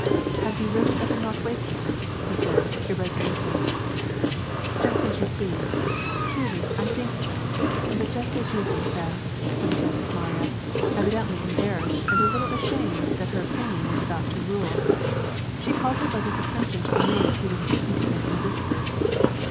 " Had we really better not wake him," said he, irresolutely. " Just as you please ; truly, I think so. But just as you think best," said the Princess Mariya, evidently embarrassed and a little ashamed that her opinion was about to rule. She called her brother's attention to the maid who was speaking to him in a whisper.